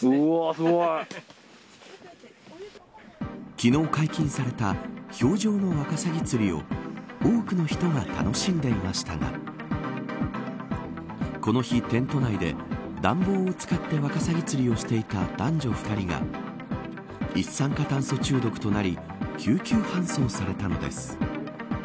昨日、解禁された氷上のワカサギ釣りを多くの人が楽しんでいましたがこの日、テント内で暖房を使ってワカサギ釣りをしていた男女２人が一酸化炭素中毒となり救急搬送されたのです。